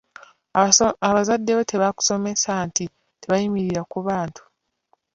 “Bazadde bo tebaakusomesa nti tebayimirira ku bantu?